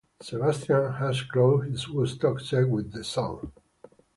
Sebastian had closed his Woodstock set with the song.